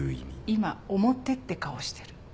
今表って顔してる。